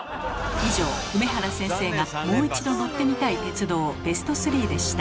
以上梅原先生がもう一度乗ってみたい鉄道ＢＥＳＴ３でした。